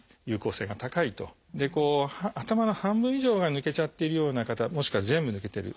こう頭の半分以上が抜けちゃってるような方もしくは全部抜けてる。